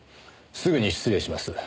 すぐに失礼します。